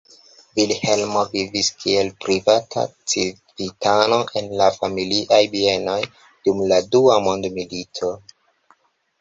Vilhelmo vivis kiel privata civitano en la familiaj bienoj dum la Dua Mondmilito.